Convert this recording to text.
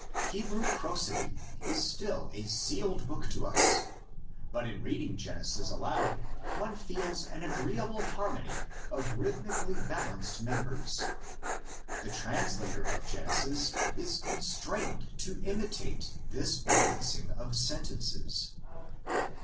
Hebrew prosody is still a sealed book to us, but in reading Genesis aloud one feels an agreeable harmony of rhythmically balanced mem bers. The translator of Genesis is constrained to imitate this balancing of sentences.